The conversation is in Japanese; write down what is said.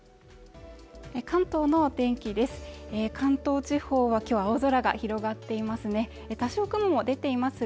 関東の天気です